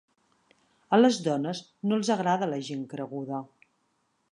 A les dones no els agrada la gent creguda.